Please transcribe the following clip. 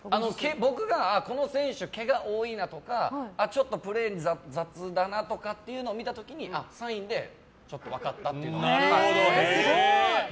僕が、この選手はけがが多いなとかちょっとプレーが雑だなと見て思ったときにサインでちょっと分かったっていう。